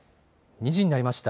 ２時になりました。